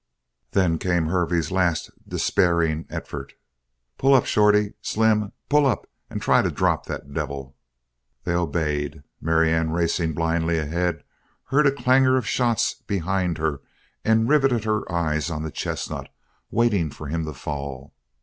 Then came Hervey's last, despairing effort: "Pull up! Shorty! Slim! Pull up and try to drop that devil!" They obeyed; Marianne, racing blindly ahead, heard a clanguor of shots behind her and riveted her eyes on the chestnut, waiting for him to fall.